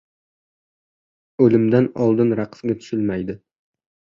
• O‘limdan oldin raqsga tushilmaydi.